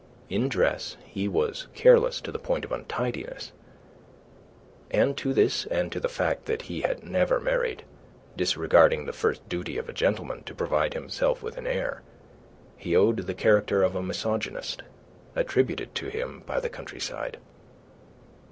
In dress he was careless to the point of untidiness, and to this and to the fact that he had never married disregarding the first duty of a gentleman to provide himself with an heir he owed the character of misogynist attributed to him by the countryside.